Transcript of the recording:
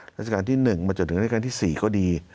ราชการที่๑มาจนถึงราชการที่๔ก็ดี